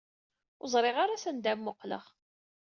Ur ẓriɣ ara sanda ara mmuqqleɣ.